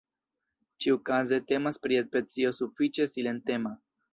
Ĉiukaze temas pri specio sufiĉe silentema.